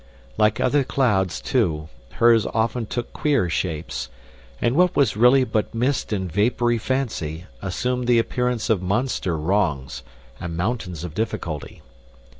Like other clouds, too, hers often took queer shapes, and what was really but mist and vapory fancy assumed the appearance of monster wrongs and mountains of difficulty.